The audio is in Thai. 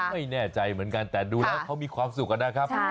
ไม่แน่ใจเหมือนกันแต่ดูแล้วเขามีความสุขนะครับ